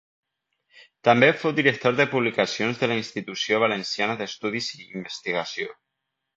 També fou director de publicacions de la Institució Valenciana d'Estudis i Investigació.